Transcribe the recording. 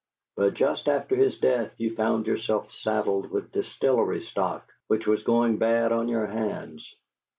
But just after his death you found yourself saddled with distillery stock, which was going bad on your hands.